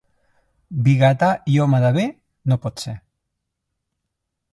Vigatà i home de bé, no pot ser.